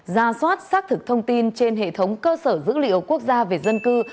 ra soát xác thực thông tin trên hệ thống cơ sở dữ liệu quốc gia về dân cư